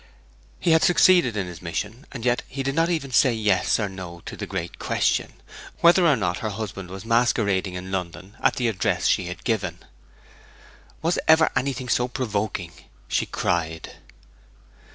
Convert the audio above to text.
He had succeeded in his mission, and yet he did not even say yes or no to the great question, whether or not her husband was masquerading in London at the address she had given. 'Was ever anything so provoking!' she cried.